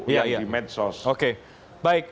ya di medsos oke baik